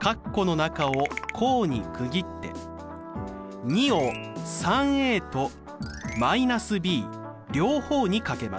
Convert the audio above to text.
括弧の中を項に区切って２を３と−ｂ両方に掛けます。